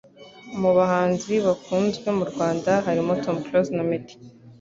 mubahanzi bakunzwe mu rwanda harimo tom close na meddy